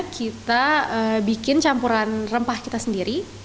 kita bikin campuran rempah kita sendiri